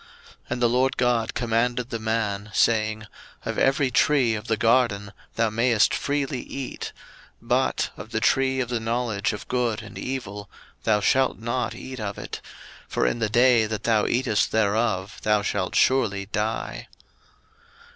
01:002:016 And the LORD God commanded the man, saying, Of every tree of the garden thou mayest freely eat: 01:002:017 But of the tree of the knowledge of good and evil, thou shalt not eat of it: for in the day that thou eatest thereof thou shalt surely die.